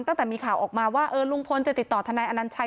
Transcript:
ตั้งแต่มีข่าวออกมาว่าลุงพลจะติดต่อทนายอนัญชัย